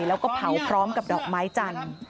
แล้วก็เผาพร้อมกับดอกไม้จันทร์